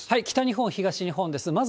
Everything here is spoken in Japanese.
北日本、東日本です。